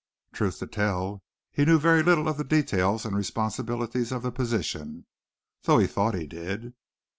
Truth to tell he knew very little of the details and responsibilities of the position, though he thought he did.